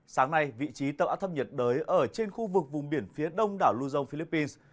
sáng nay vị trí tâm áp thấp nhiệt đới ở trên khu vực vùng biển phía đông đảo luzon philippines